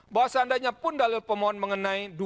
bahwa seandainya pun dalil pemohon mengenai